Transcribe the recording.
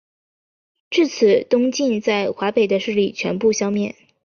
至此东晋在华北的势力全部消灭。